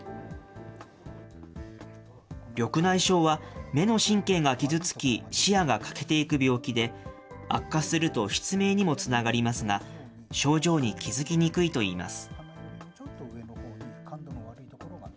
緑内障は目の神経が傷つき、視野が欠けていく病気で、悪化すると、失明にもつながりますが、症状に気付きにくいといいます。